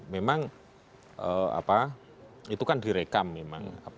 memang itu kan direkam memang